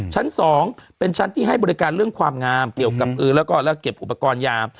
ชั้น๒เป็นชั้นที่ให้บริการเรื่องความงามเกี่ยวกับเออแล้วก็เก็บอุปกรณ์ยา